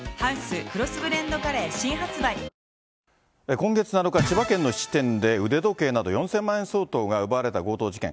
今月７日、千葉県の質店で、腕時計など４０００万円相当が奪われた強盗事件。